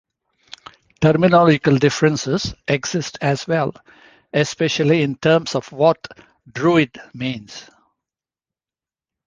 Terminological differences exist as well, especially in terms of what "druid" means.